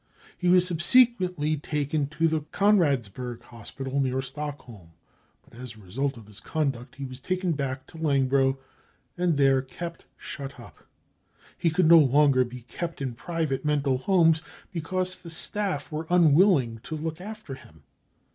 He was subsequently taken to the Konradsberg Hospital I40 BROWN BOOK OF THE HITLER TERROR near Stockholm, but as a result of his~conduct he was taken . back to Langbro and there kept shut up. He could no longer be kept in private mental homes, because the staff were unwilling to look after him.